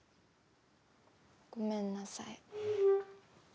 ごめんなさい。